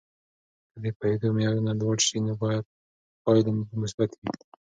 که د پوهیدو معیارونه لوړ سي، نو پایلې به مثبتې وي.